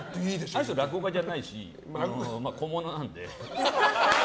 あの人、落語家じゃないし小物なんで。